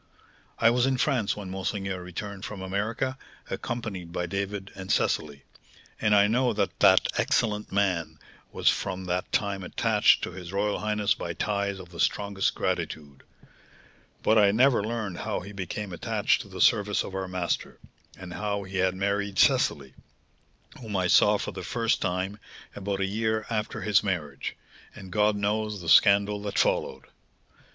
"I was in France when monseigneur returned from America, accompanied by David and Cecily, and I know that that excellent man was from that time attached to his royal highness by ties of the strongest gratitude; but I never learned how he became attached to the service of our master, and how he had married Cecily, whom I saw, for the first time, about a year after his marriage; and God knows the scandal that followed!"